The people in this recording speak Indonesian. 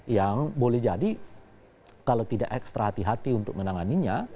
yang boleh jadi kalau tidak ekstra hati hati untuk menanganinya